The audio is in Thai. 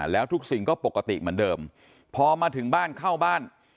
แล้วทุกสิ่งก็ปกติเหมือนเดิมพอมาถึงบ้านเข้าบ้าน